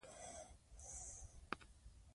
ملالۍ د خپل غیرت په وسیله خلکو ته الهام ورکړ.